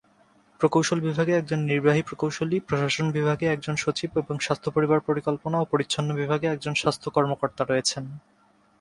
প্রকৌশল বিভাগে একজন নির্বাহী প্রকৌশলী, প্রশাসন বিভাগে একজন সচিব এবং স্বাস্থ্য পরিবার পরিকল্পনা ও পরিচ্ছন্ন বিভাগে একজন স্বাস্থ্য কর্মকর্তা রয়েছেন।